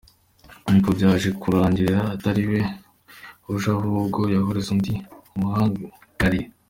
Ariko byaje kurangira atari we uje ahubwo yohereze undi umuhagarariye.